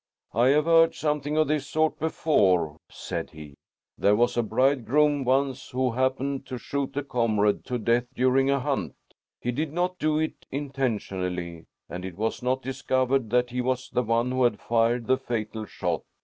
"I have heard something of this sort before," said he. "There was a bridegroom once who happened to shoot a comrade to death during a hunt. He did not do it intentionally, and it was not discovered that he was the one who had fired the fatal shot.